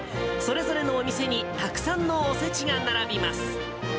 それぞれのお店にたくさんのおせちが並びます。